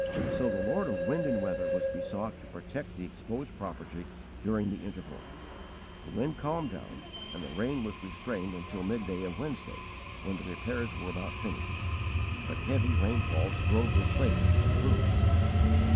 So the Lord of wind and weather was besought to protect the exposed property during the interval. The wind calmed down, and the rain was restrained until midday of Wednesday, when the repairs were about finished, but heavy rainfalls drove the slaters from the roof.